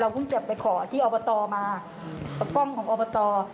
เราเพิ่งจะไปขอที่ออปโตรมาประก้องของออปโตร